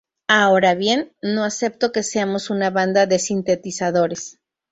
Ahora bien, no acepto que seamos una banda de sintetizadores.